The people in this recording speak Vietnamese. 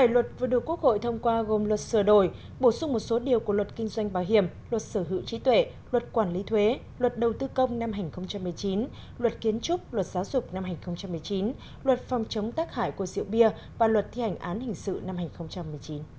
bảy luật vừa được quốc hội thông qua gồm luật sửa đổi bổ sung một số điều của luật kinh doanh bảo hiểm luật sở hữu trí tuệ luật quản lý thuế luật đầu tư công năm hai nghìn một mươi chín luật kiến trúc luật giáo dục năm hai nghìn một mươi chín luật phòng chống tác hại của rượu bia và luật thi hành án hình sự năm hai nghìn một mươi chín